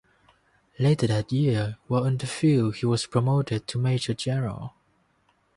Later that year, while in the field, he was promoted to major general.